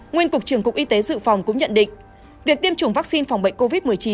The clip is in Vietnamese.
nguyên cục trưởng cục y tế dự phòng cũng nhận định việc tiêm chủng vaccine phòng bệnh covid một mươi chín